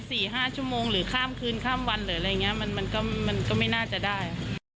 สี่ห้าชั่วโมงหรือข้ามคืนข้ามวันอะไรมันก็ไม่น่าจะได้